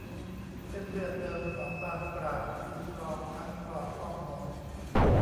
เส้นเลือดเดิมของบางกร่างคือคลอง ทั้งคลองอ้อมนนท์